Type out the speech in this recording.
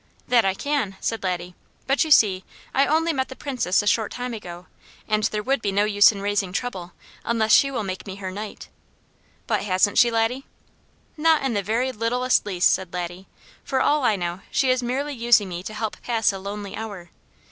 "That I can!" said Laddie. "But you see, I only met the Princess a short time ago, and there would be no use in raising trouble, unless she will make me her Knight!" "But hasn't she, Laddie?" "Not in the very littlest least," said Laddie. "For all I know, she is merely using me to help pass a lonely hour.